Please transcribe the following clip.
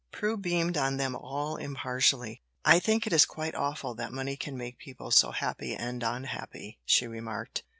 Prue beamed on them all impartially. "I think it is quite awful that money can make people so happy and unhappy," she remarked.